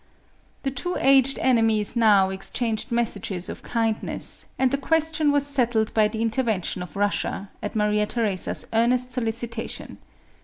The two aged enemies now exchanged messages of kindness, and the question was settled by the interven tion of Russia, at Maria Theresa's earnest solicitation.